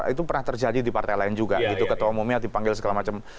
itu pernah terjadi di partai lain juga gitu ketua umumnya dipanggil segala macam